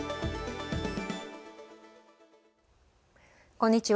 こんにちは。